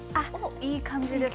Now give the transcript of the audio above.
いい感じです。